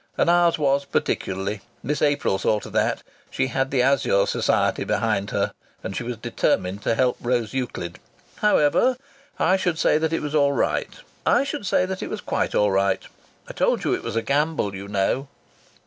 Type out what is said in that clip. And ours was, particularly. Miss April saw to that. She had the Azure Society behind her, and she was determined to help Rose Euclid. However, I should say it was all right I should say it was quite all right. I told you it was a gamble, you know."